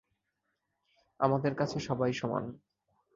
আমাদের কাছে সবাই সমান।